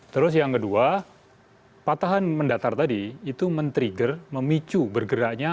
terus yang kedua patahan mendatar tadi itu men trigger memicu bergeraknya